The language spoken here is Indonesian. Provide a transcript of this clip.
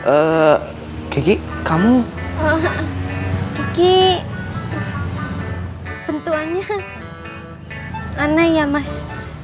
eh kekik kamu kekik tentuannya aneh ya mas